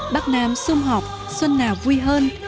bắc nam xung họp xuân nào vui hơn